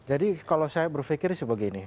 jadi kalau saya berpikir sebegini